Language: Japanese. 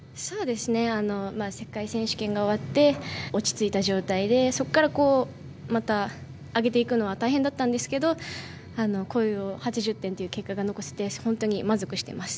世界選手権が終わって落ち着いた状態でそこからまた上げていくのは大変だったんですけど、こういう８０点という結果が残せて本当に満足しています。